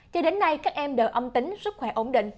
cho đến nay các em đều âm tính sức khỏe ổn định